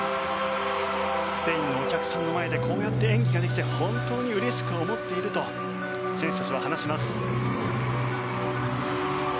スペインのお客さんの前でこうやって演技ができて本当にうれしく思っていると選手たちは話します。